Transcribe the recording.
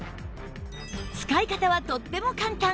使い方はとっても簡単